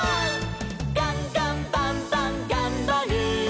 「ガンガンバンバンがんばる！」